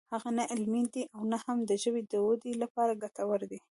هغه نه علمي دی او نه هم د ژبې د ودې لپاره ګټور دی